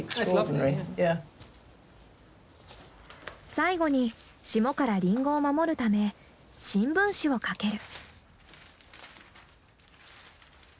最後に霜からリンゴを守るため新聞紙をかける。